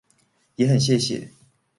也很謝謝